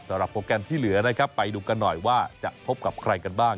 โปรแกรมที่เหลือนะครับไปดูกันหน่อยว่าจะพบกับใครกันบ้าง